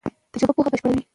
تجربه پوهه بشپړوي.